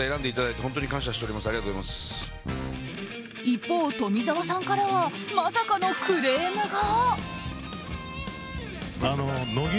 一方、富澤さんからはまさかのクレームが。